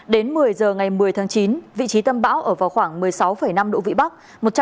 đến một mươi giờ ngày một mươi tháng chín vị trí tâm bão ở vào khoảng một mươi sáu năm độ vĩ bắc